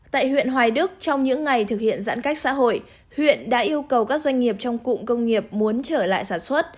tại huyện hoài đức trong những ngày thực hiện giãn cách xã hội huyện đã yêu cầu các doanh nghiệp trong cụm công nghiệp muốn trở lại sản xuất